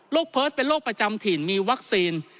โพสต์เป็นโรคประจำถิ่นมีวัคซีน